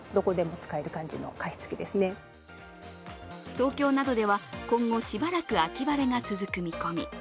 東京などでは今後しばらく秋晴れが続く見込み。